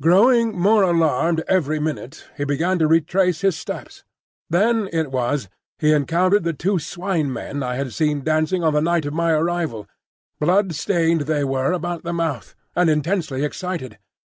Growing more alarmed every minute, he began to retrace his steps. Then it was he encountered the two Swine men I had seen dancing on the night of my arrival; blood stained they were about the mouth, and intensely excited.